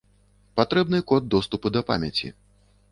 Патрэбны код доступу да памяці.